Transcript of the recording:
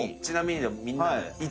ちなみにみんなで。